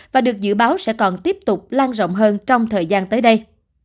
và được dự báo sẽ còn tiếp tục lan rộng hơn trong thời gian tới đây